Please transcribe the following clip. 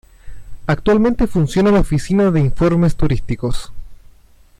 Actualmente funciona la Oficina de Informes Turísticos.